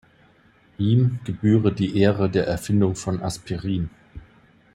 Ihm gebühre die Ehre der Erfindung von Aspirin.